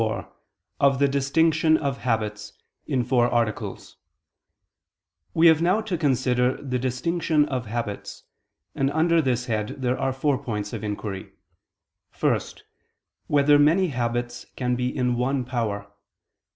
________________________ QUESTION 54 OF THE DISTINCTION OF HABITS (In Four Articles) We have now to consider the distinction of habits; and under this head there are four points of inquiry: (1) Whether many habits can be in one power?